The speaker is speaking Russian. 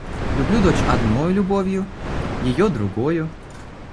Люблю дочь одною любовью, ее — другою.